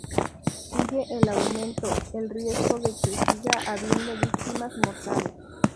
sigue en aumento el riesgo de que siga habiendo víctimas mortales